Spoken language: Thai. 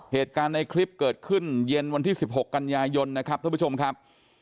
เหตุการณ์ในคลิปเกิดขึ้นเย็นวันที่๑๖กันยายนนะครับท่านผู้ชมครับ